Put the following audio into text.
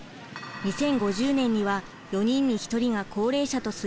２０５０年には４人に１人が高齢者と推計されています。